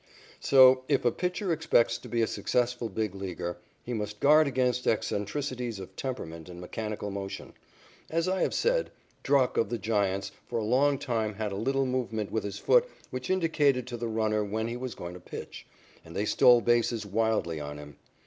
So if a pitcher expects to be a successful Big Leaguer, he must guard against eccentricities of temperament and mechanical motion. As I have said, Drucke of the Giants for a long time had a little movement with his foot which indicated to the runner when he was going to pitch, and they stole bases wildly on him.